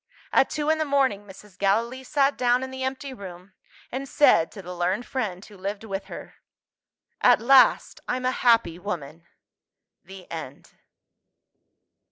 At two in the morning, Mrs. Gallilee sat down in the empty room, and said to the learned friend who lived with her, "At last, I'm a happy woman!" THE END.